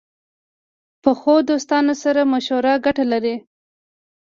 پخو دوستانو سره مشوره ګټه لري